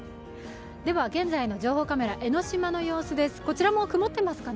現在の情報カメラ江の島の状況です